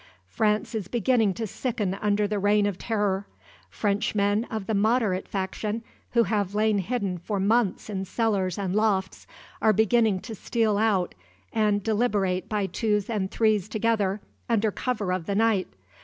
France is beginning to sicken under the Reign of Terror. Frenchmen of the Moderate faction, who have lain hidden for months in cellars and lofts, are beginning to steal out and deliberate by twos and threes together, under cover of the night.